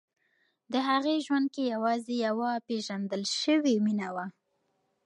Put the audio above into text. د هغې ژوند کې یوازې یوه پېژندل شوې مینه وه.